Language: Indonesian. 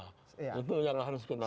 itu yang harus kita